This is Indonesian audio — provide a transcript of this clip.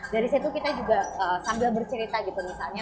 dari situ kita juga sambil bercerita gitu misalnya